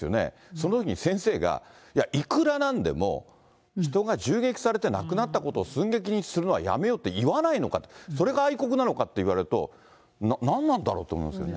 そのときに先生が、いや、いくらなんでも、人が銃撃されて亡くなったことを寸劇にするのはやめようって言わないのかって、それが愛国なのかっていわれると、何なんだろうと思うんですけどね。